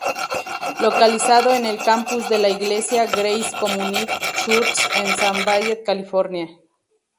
Localizado en el campus de la iglesia Grace Community Church en Sun Valley, California.